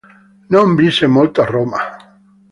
Non visse molto a Roma.